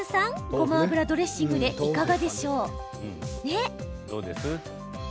ごま油ドレッシングでいかがですか？